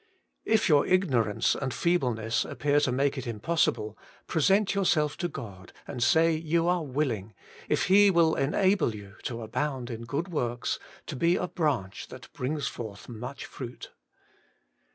2. If your ignorance and feebleness appear to make it impossible, present yourself to God, and say you are willing, if He will enable you to abound in good works, to be a branch that brings forth much fruit.